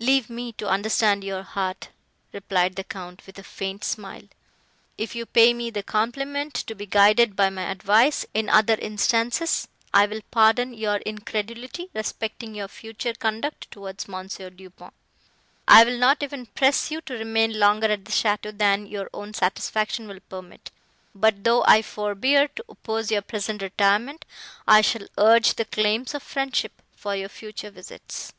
"Leave me to understand your heart," replied the Count, with a faint smile. "If you pay me the compliment to be guided by my advice in other instances, I will pardon your incredulity, respecting your future conduct towards Mons. Du Pont. I will not even press you to remain longer at the château than your own satisfaction will permit; but though I forbear to oppose your present retirement, I shall urge the claims of friendship for your future visits."